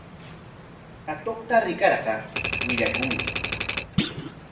Atuqta rikarqa willakunki.